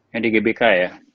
yang di gbk ya